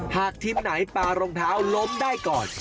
หากทีมไหนปลารองเท้าล้มได้ก่อน